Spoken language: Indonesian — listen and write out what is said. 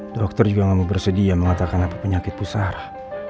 dokter juga gak mau bersedia mengatakan apa penyakit ibu sarah